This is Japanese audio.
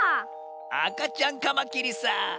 あかちゃんカマキリさ。